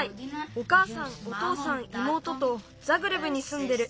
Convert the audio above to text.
おかあさんおとうさんいもうととザグレブにすんでる。